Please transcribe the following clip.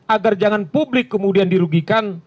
agar jangan publik kemudian dirugikan